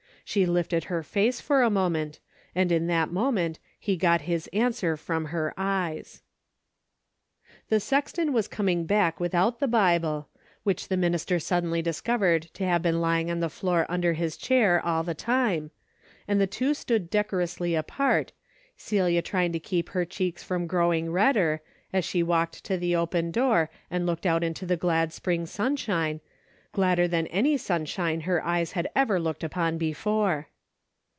She lifted her face for a moment, and in that moment he got his answer from her eyes. The sexton was coming back without the Bible, which the minister suddenly discovered to have been lying on the floor under his chair all the time, and the two stood decorously apart, Celia trying to keep her cheeks from growing redder, as she walked to the open door and looked out into the glad spring sun shine, gladder than any sunshine her eyes had ever looked upon before.